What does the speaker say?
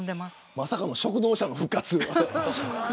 まさかの食堂車の復活。